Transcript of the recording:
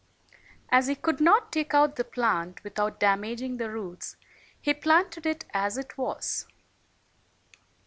As he could not take out the plant without damaging the roots, he planted it as it was.